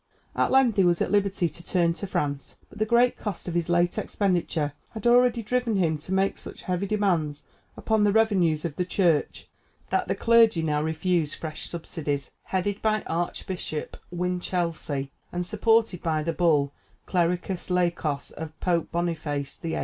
At length he was at liberty to turn to France, but the great cost of his late expenditure had already driven him to make such heavy demands upon the revenues of the Church, that the clergy now refused fresh subsidies, headed by Archbishop Winchelsea and supported by the bull "Clericis Laicos" of Pope Boniface VIII.